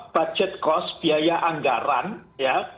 budget cost biaya anggaran ya